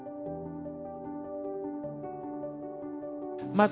まず。